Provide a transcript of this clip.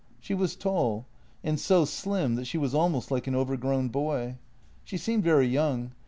She was tall, and so slim that she was almost like an overgrown boy. She seemed very young.